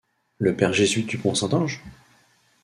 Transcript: Le Père jésuite du Pont Saint-Ange ?